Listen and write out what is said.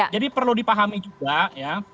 jadi perlu dipahami juga ya